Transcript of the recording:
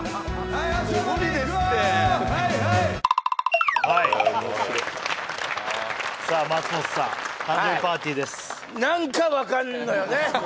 はいはいもう無理ですってさあ松本さん「誕生日パーティー」です何か分かんのよね